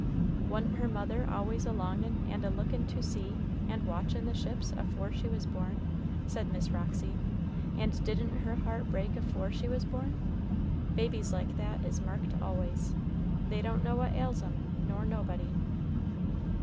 "Wa'n't her mother always a longin' and a lookin' to sea, and watchin' the ships, afore she was born?" said Miss Roxy; "and didn't her heart break afore she was born? Babies like that is marked always. They don't know what ails 'em, nor nobody."